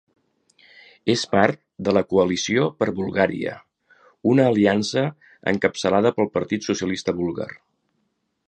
És part de la Coalició per Bulgària, una aliança encapçalada pel Partit Socialista Búlgar.